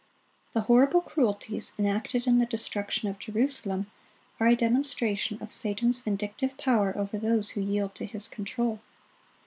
The horrible cruelties enacted in the destruction of Jerusalem are a demonstration of Satan's vindictive power over those who yield to his control.